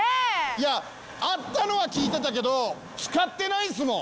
いやあったのは聞いてたけど使ってないですもん。